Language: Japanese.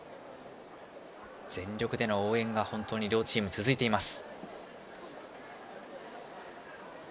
全力での応援が両チーム続いています。